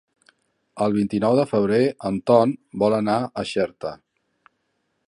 El vint-i-nou de febrer en Ton vol anar a Xerta.